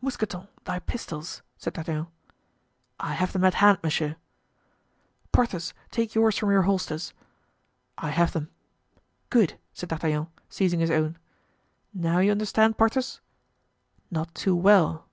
"Mousqueton, thy pistols," said D'Artagnan. "I have them at hand, monsieur." "Porthos, take yours from your holsters." "I have them." "Good!" said D'Artagnan, seizing his own; "now you understand, Porthos?" "Not too well."